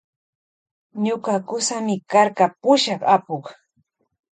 Ñuka kusami karka pushak apuk.